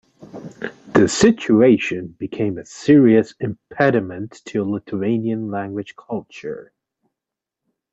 This situation became a serious impediment to Lithuanian-language culture.